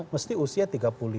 mesti usia tiga puluh lima